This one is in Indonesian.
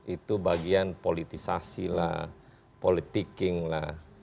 itu bagian politisasi lah politiking lah